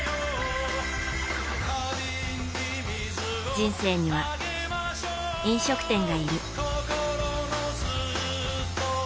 人生には、飲食店がいる。